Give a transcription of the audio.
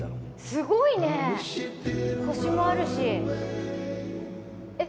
すごいね星もあるしえっ